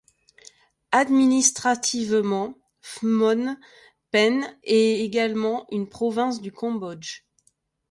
Administrativement, Phnom Penh est également une province du Cambodge.